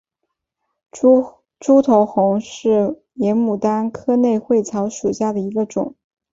楮头红为野牡丹科肉穗草属下的一个种。